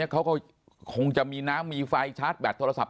เขาก็คงจะมีน้ำมีไฟชาร์จแบตโทรศัพ